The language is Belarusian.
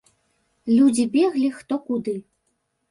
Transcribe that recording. Людзі беглі хто куды.